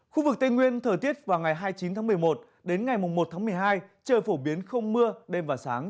khu vực tây nguyên thở tiết vào ngày hai mươi chín một mươi một đến ngày một một mươi hai trời phổ biến không mưa đêm và sáng